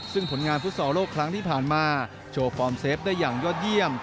ซึ่งผลงานฟุตซอลโลกครั้งที่ผ่านมาโชว์ฟอร์มเซฟได้อย่างยอดเยี่ยม